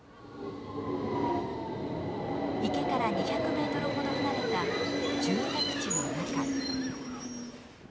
池から２００メートルほど離れた住宅地の中。